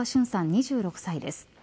２６歳です。